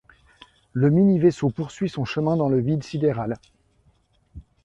Le mini-vaisseau poursuit son chemin dans le vide sidéral.